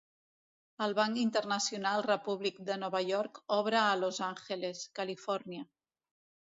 El Bank International Republic de Nova York obre a Los Angeles, Califòrnia.